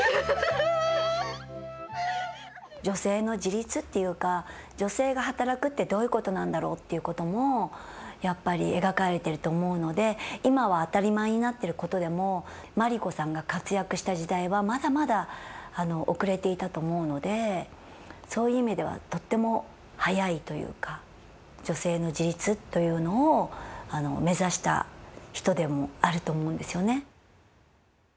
女性の自立っていうか女性が働くってどういうことなんだろうっていうこともやっぱり描かれてると思うので今は当たり前になっていることでもマリ子さんが活躍した時代はまだまだ遅れていたと思うのでそういう意味ではとっても早いというか女性の自立というのを目指した人でもあると思うんですよね。